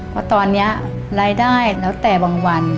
เพราะตอนนี้รายได้แล้วแต่บางวัน